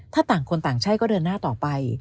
ถ้าต่างคนต่างใช่ก็เดินหน้าต่อไป